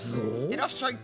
いってらっしゃい。